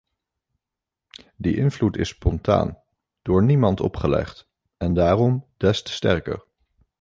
Die invloed is spontaan, door niemand opgelegd, en daarom des te sterker.